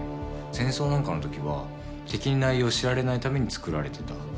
戦争なんかのときは敵に内容を知られないために作られてた。